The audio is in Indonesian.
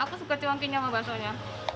aku suka cuankinya sama basonya